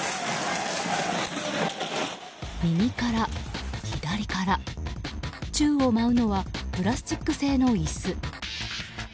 右から左から宙を舞うのはプラスチック製の椅子。